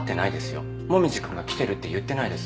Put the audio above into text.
紅葉君が来てるって言ってないです。